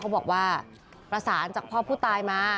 บอกว่าประสานจากพ่อผู้ตายมา